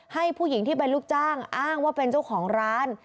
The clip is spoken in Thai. ให้ผู้หญิงที่เป็นลูกจ้างอ้างว่าเป็นเจ้าของร้าน